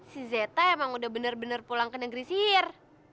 si zeta emang udah bener bener pulang ke negeri sihir